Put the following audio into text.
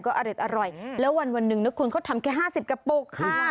ก็อร่อยแล้ววันหนึ่งนะคุณเขาทำแค่๕๐กระปุกค่ะ